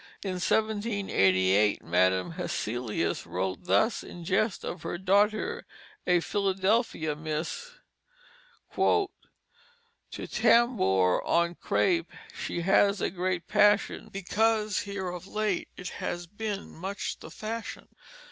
In 1788 Madam Hesselius wrote thus in jest of her daughter, a Philadelphia miss: "To tambour on crape she has a great passion, Because here of late it has been much the fashion.